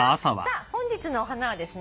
本日のお花はですね